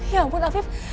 ya ampun afif